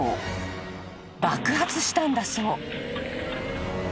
［爆発したんだそう］